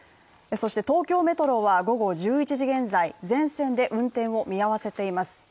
そして東京メトロは午後１１時現在全線で運転を見合わせています。